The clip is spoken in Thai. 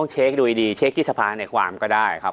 จะเช๊กริศภาในความก็ได้ครับ